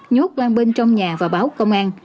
nhốt quang bên trong nhà và báo công an